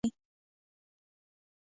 د زیتون ځنګلونه په ننګرهار کې دي؟